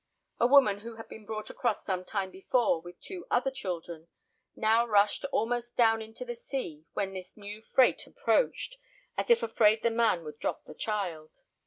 A woman, who had been brought across some time before, with two other children, now rushed almost down into the sea when this new freight approached, as if afraid the man would drop the child.